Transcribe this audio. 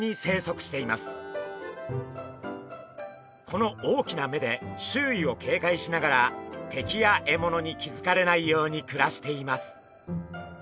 この大きな目で周囲をけいかいしながら敵や獲物に気付かれないように暮らしています。